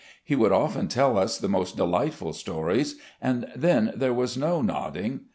He would often tell us the most delightful stories, and then there was no nodding.